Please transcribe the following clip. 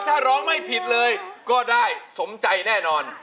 ถ้าร้องไม่ผิดเลยก็ได้สมใจแน่นอน